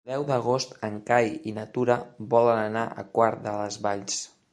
El deu d'agost en Cai i na Tura volen anar a Quart de les Valls.